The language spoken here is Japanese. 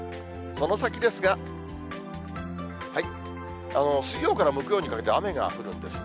その先ですが、水曜から木曜にかけて、雨が降るんですね。